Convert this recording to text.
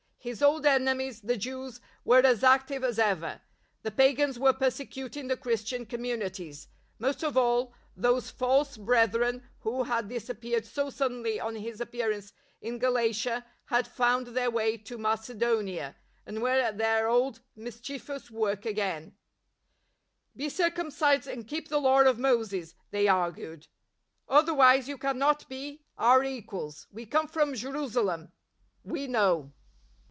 His old enemies, the Jews, were as active as ever; the pagans were persecuting the Christian communities. Most of all, those " false brethren " who had disappeared so suddenly on his appearance in Galatia, had found their way to Macedonia, and were at their old mischievous work again, " Be cir cumcised and keep the Law of Moses," they argued, " otherwise you cannot be our equals. We come from Jerusalem — ^we know."